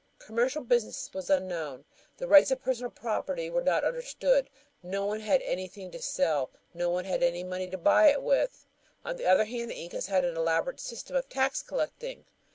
Commercial business was unknown. The rights of personal property were not understood. No one had anything to sell; no one had any money to buy it with. On the other hand, the Incas had an elaborate system of tax collecting.